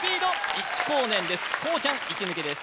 １光年です